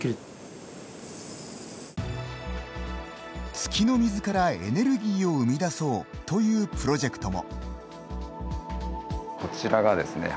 月の水からエネルギーを生み出そうというプロジェクトも。